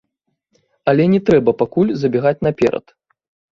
Але не трэба пакуль забягаць наперад.